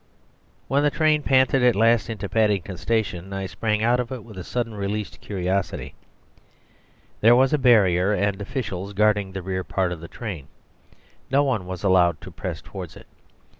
When the train panted at last into Paddington Station I sprang out of it with a suddenly released curiosity. There was a barrier and officials guarding the rear part of the train; no one was allowed to press towards it.